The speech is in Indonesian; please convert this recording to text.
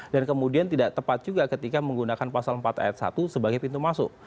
dan kemudian tidak tepat juga ketika menggunakan pasal empat s satu sebagai pintu masuk